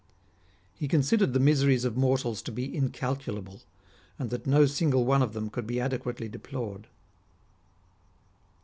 He considered the miseries of mortals to be incalculable, and that no single one of them could be adequately deplored.